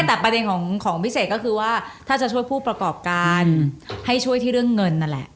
แต่ประเด็นของพิเศษก็คือว่าถ้าจะช่วยผู้ประกอบการให้ช่วยที่เรื่องเงินนั่นแหละ